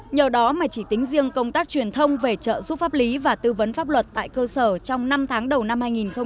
nhờ đó mà chỉ tính riêng công tác truyền thông về trợ giúp pháp lý và tư vấn pháp luật tại cơ sở trong năm tháng đầu năm hai nghìn một mươi chín